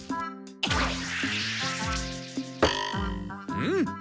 うん！